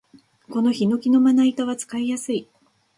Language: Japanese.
このヒノキのまな板は使いやすい